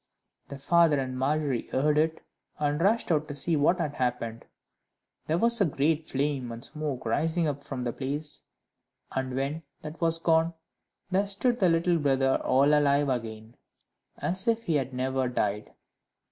The father and Margery heard it, and rushed out to see what had happened: there was a great flame and smoke rising up from the place, and when that was gone, there stood the little brother all alive again as if he had never died.